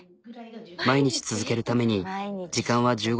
毎日続けるために時間は１５分。